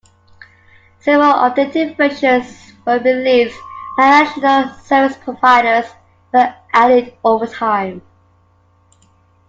Several updated versions were released, and additional service providers were added over time.